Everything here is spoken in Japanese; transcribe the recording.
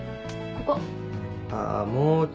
ここ？